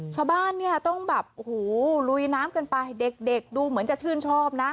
ชาวบ้านเนี่ยต้องแบบโอ้โหลุยน้ำกันไปเด็กดูเหมือนจะชื่นชอบนะ